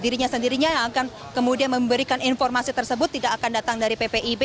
dirinya sendirinya yang akan kemudian memberikan informasi tersebut tidak akan datang dari ppib